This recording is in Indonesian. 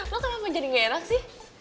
lo kenapa jadi nggak enak sih